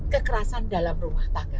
kekerasan dalam rumah tangga